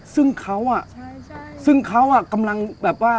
ซึ่งเขาอ่ะกำลังแบบว่า